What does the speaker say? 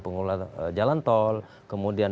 pengelola jalan tol kemudian